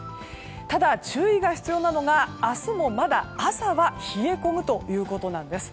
ただ、注意が必要なのが明日も、まだ朝は冷え込むということです。